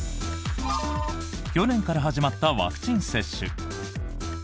去年から始まったワクチン接種。